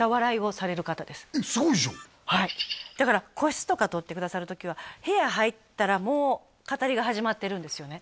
すごいじゃんはいだから個室とか取ってくださる時は部屋入ったらもう語りが始まってるんですよね